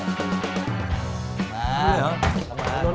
นี่เหรอ